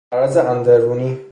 مرض اندرونی